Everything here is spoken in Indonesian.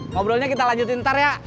ngobrolnya kita lanjutin ntar ya